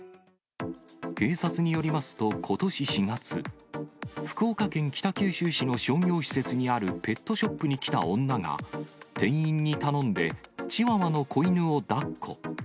警察によりますと、ことし４月、福岡県北九州市の商業施設にあるペットショップに来た女が、店員に頼んでチワワの子犬をだっこ。